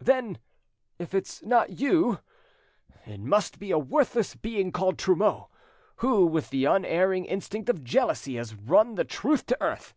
'Then if it's not you, it must be a worthless being called Trumeau, who, with the unerring instinct of jealousy, has run the truth to earth.